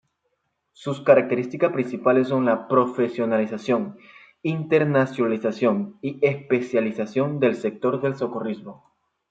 Sus características principales son la profesionalización, internacionalización y especialización del sector del socorrismo.